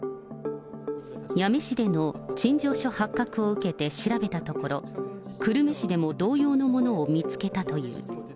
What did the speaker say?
八女市での陳情書発覚を受けて調べたところ、久留米市でも同様のものを見つけたという。